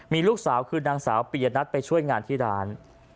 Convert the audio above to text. มีลูกสาวคือนางสาวปียนัทไปช่วยงานที่ร้าน